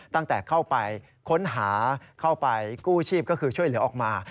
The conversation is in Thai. ตั้งแต่เข้าไปค้นหาเข้าไปกู้ชีพก็คือช่วยเหลือออกมา